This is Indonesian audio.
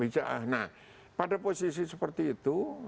nah pada posisi seperti itu